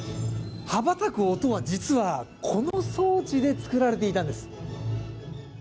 羽ばたく音は実はこの装置で作られていたんです。